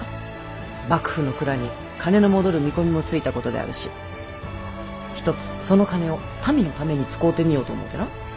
幕府の蔵に金の戻る見込みもついたことであるしひとつその金を民のために使うてみようと思うてな。